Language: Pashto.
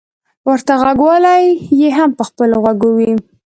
ورته غوږوالۍ يې هم په خپلو غوږو وې.